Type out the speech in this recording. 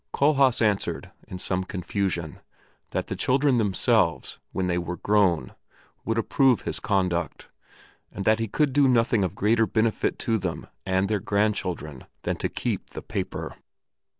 Kohlhaas answered, in some confusion, that the children themselves, when they were grown, would approve his conduct, and that he could do nothing of greater benefit to them and their grandchildren than to keep the paper.